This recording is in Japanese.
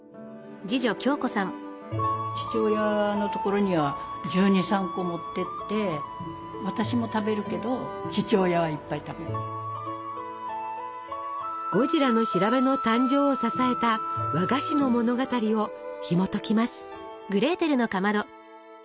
父親の所には私も食べるけどゴジラの調べの誕生を支えた和菓子の物語をひもときます。